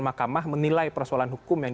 mahkamah menilai persoalan hukum yang